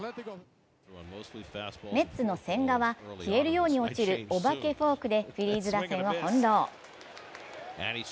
メッツの千賀は消えるように落ちるお化けフォークでフィリーズ打線を翻弄。